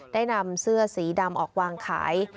ได้นำเสื้อสีดำออกวางขาย